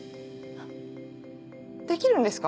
できるんですか？